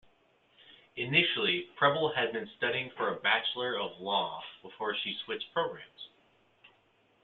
Initially, Prebble had been studying for a Bachelor of Laws before she switched programs.